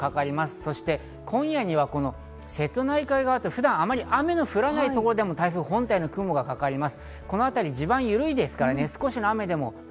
そして今夜には瀬戸内海側って普段、あまり雨の降らない所でも台風本体の雲がかかります。